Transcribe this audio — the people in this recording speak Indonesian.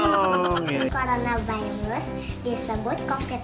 coronavirus disebut covid sembilan belas